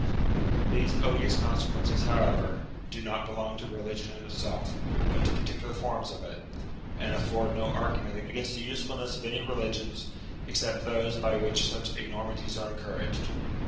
These odious con sequences, however, do not belong to religion in itself, but to particular forms of it, and afford no argument against the usefulness of any religions except those by which such enormities are encou raged.